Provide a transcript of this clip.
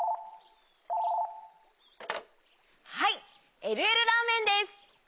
☎はいえるえるラーメンです！